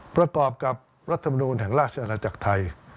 ประกอบกับรัฐมนูลแห่งราชอาณาจักรไทย